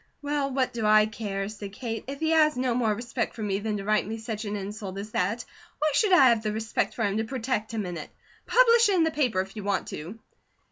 "Well, what do I care?" said Kate. "If he has no more respect for me than to write me such an insult as that, why should I have the respect for him to protect him in it? Publish it in the paper if you want to."